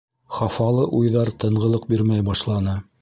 Хафалы уйҙар тынғылыҡ бирмәй башланы.